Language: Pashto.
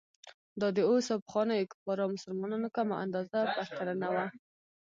دا د اوس او پخوانیو کفارو او مسلمانانو کمه اندازه پرتلنه وه.